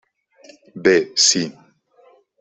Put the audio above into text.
Bé, sí.